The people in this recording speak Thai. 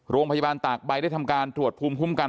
โรงพยาบาลตากใบได้ทำการตรวจภูมิคุ้มกัน